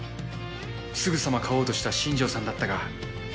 すぐさまかおうとした新上さんだったが。